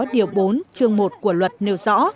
điều bốn chương một của luật nêu rõ